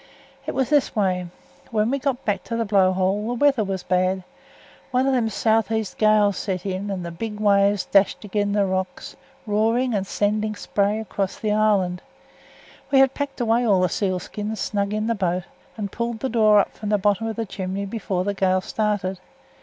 It was this way. When we got back to th' blow hole th' weather was bad. One o' them sou'east gales set in, and th' big waves dashed agen the rocks, roaring and sending spray right across th' island. We had packed away all th' seal skins snug in th' boat and pulled th' door up from th' bottom of th' chimney before th' gale started.